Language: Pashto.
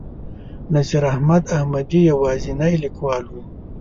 نصیر احمد احمدي یوازینی لیکوال و.